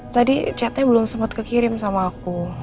tadi chatnya belum sempat kekirim sama aku